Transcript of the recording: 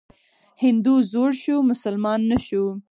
هندو زوړ شو، مسلمان نه شو.